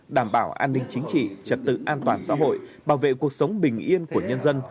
đảm bảo an ninh chính trị trật tự an toàn xã hội bảo vệ cuộc sống bình yên của nhân dân